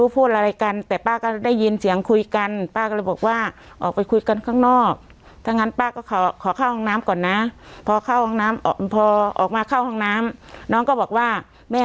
พอเข้าห้องน้ำพอออกมาเข้าห้องน้ำน้องก็บอกว่าแม่